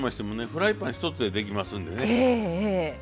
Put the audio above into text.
フライパンひとつでできますんでね。